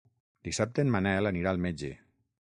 Dissabte en Manel anirà al metge.